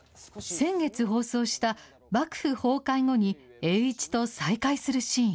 先月放送した、幕府崩壊後に栄一と再開するシーン。